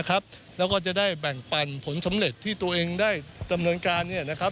แล้วก็จะได้แบ่งปันผลสำเร็จที่ตัวเองได้ดำเนินการ